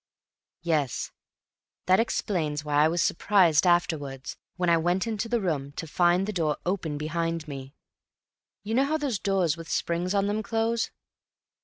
"Yes. That explains why I was surprised afterwards when I went into the room to find the door open behind me. You know how those doors with springs on them close?"